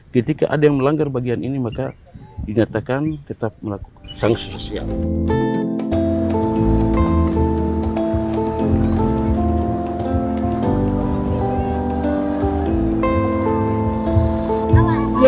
ketika ada yang melanggar bagian ini maka dinyatakan tetap melakukan sanksi sosial